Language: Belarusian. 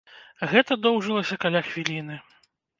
Гэта доўжылася каля хвіліны.